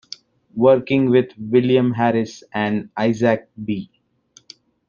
Working with William Harris and Isaac B.